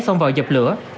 xong vào dập lửa